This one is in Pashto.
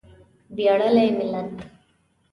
ویاړلی ملت.